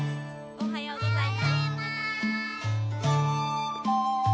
おはようございます。